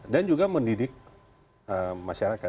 dan juga mendidik masyarakat